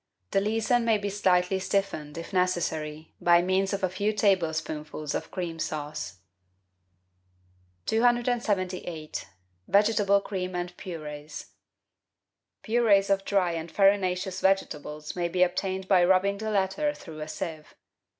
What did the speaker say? The leason may be slightly stiffened, if necessary, by means of a few tablespoonfuls of cream sauce. 278— VEGETABLE CREAMS AND PUREES Purees of dry and farinaceous vegetables may be obtained by rubbing the latter through a sieve.